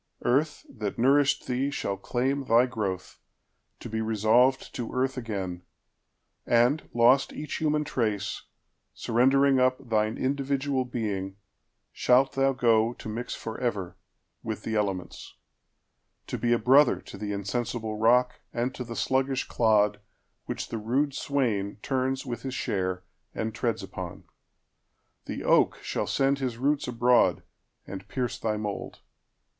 Earth, that nourished thee, shall claimThy growth, to be resolved to earth again, And, lost each human trace, surrendering upThine individual being, shalt thou goTo mix forever with the elements; To be a brother to the insensible rock, And to the sluggish clod, which the rude swainTurns with his share, and treads upon. The oakShall send his roots abroad, and pierce thy mould.